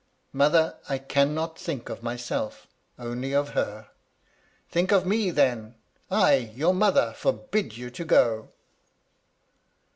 "* Mother, I cannot think of myself ; only of her.' "* Think of me, then I I, your mother, forbid you to go.'